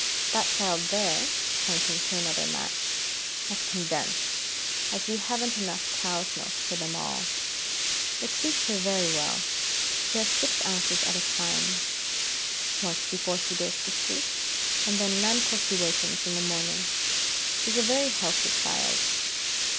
That child there," pointing to another mat, "has Condensed, as we haven't enough cow's milk for them all. It suits her very well. She has six ounces at a time; once before she goes to sleep, and then none till she wakens in the morning. She's a very healthy child."